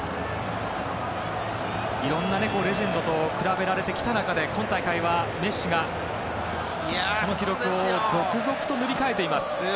いろいろなレジェンドと比べられてきた中で今大会は、メッシがその記録を続々と塗り替えています。